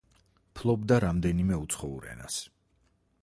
ფლობდა რამდენიმე უცხოურ ენას.